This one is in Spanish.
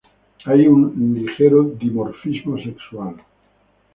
Hay un ligero dimorfismo sexual.